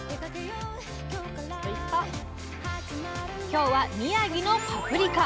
今日は宮城のパプリカ！